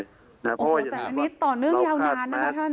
โอ้โหแต่อันนี้ต่อเนื่องยาวนานนะคะท่าน